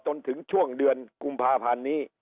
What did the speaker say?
จนถึงช่วงเดือนกุมภาพันธ์นี้